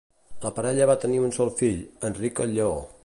La parella va tenir un sol fill, Enric el Lleó.